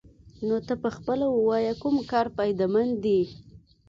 نو ته پخپله ووايه کوم کار فايده مند دې.